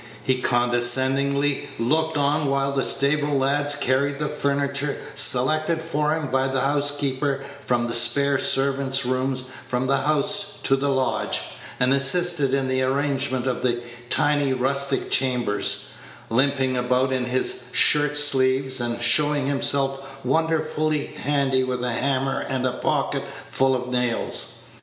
He condescendingly looked on while the stable lads carried the furniture selected for him by the housekeeper from the spare servants' rooms from the house to the lodge, and assisted in the arrangement of the tiny rustic chambers, limping about in his shirt sleeves, and showing himself wonderfully handy with a hammer and a pocket full of nails.